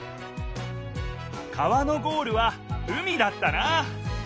川のゴールは海だったな！